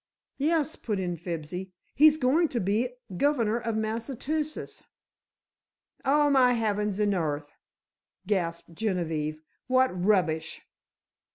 "Yes," put in Fibsy, "he's going to be governor of Massachusetts." "Oh, my heavens and earth!" gasped Genevieve, "what rubbish!"